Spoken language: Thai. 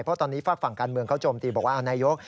เพราะตอนนี้ฝากฝั่งการเมืองเขาโจมตีบอกว่านายก